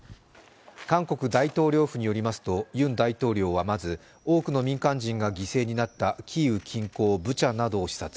韓国大統領府によりますとユン大統領はまず多くの民間人が犠牲になったキーウ近郊、ブチャなどを視察